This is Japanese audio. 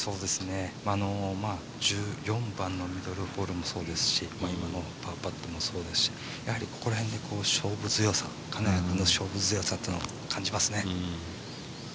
１４番のミドルホールもそうですし、今のパーパットもそうですしここら辺に金谷君の勝負強さというのを感じますね。